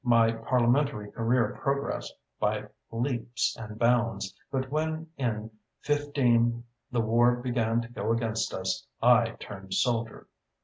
My parliamentary career progressed by leaps and bounds, but when in '15 the war began to go against us, I turned soldier."